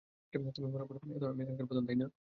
তুমি মরার পর তো, আমি এখানকার প্রধান, তাই না?